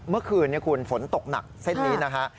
เมื่อคืนนี้คุณฝนตกหนักเส้นนี้นะฮะ